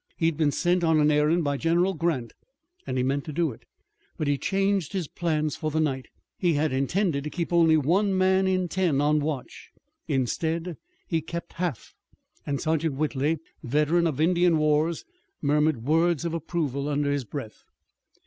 He had been sent on an errand by General Grant and he meant to do it. But he changed his plans for the night. He had intended to keep only one man in ten on watch. Instead, he kept half, and Sergeant Whitley, veteran of Indian wars, murmured words of approval under his breath.